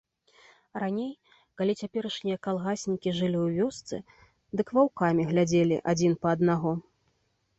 Раней, калі цяперашнія калгаснікі жылі ў вёсцы, дык ваўкамі глядзелі адзін па аднаго.